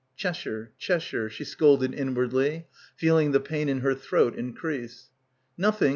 "Cheshire, Cheshire," she scolded inwardly, feel ing the pain in her throat increase. "Nothing.